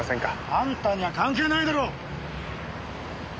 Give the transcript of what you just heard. あんたには関係ないだろ！